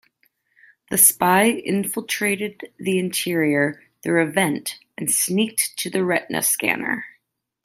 The spy infiltrated the interior through a vent and sneaked to the retina scanner.